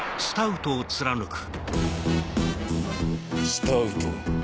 スタウト。